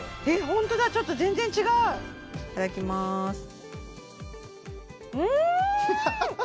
ホントだちょっと全然違ういただきまーすうーん！